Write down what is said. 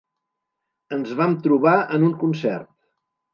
Ens vam trobar en un concert.